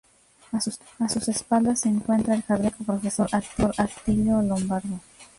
A sus espaldas se encuentra el Jardín Botánico Profesor Atilio Lombardo.